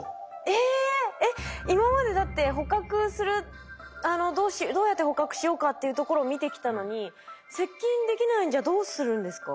えっ今までだって捕獲するどうやって捕獲しようかっていうところ見てきたのに接近できないんじゃどうするんですか？